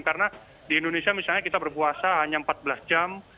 karena di indonesia misalnya kita berpuasa hanya empat belas jam